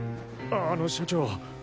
あの社長